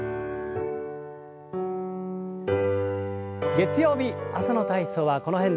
月曜日朝の体操はこの辺で。